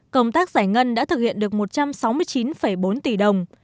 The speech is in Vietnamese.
công tác giải ngân đã thực hiện được một trăm sáu mươi chín bốn tỷ đồng